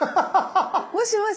もしもし。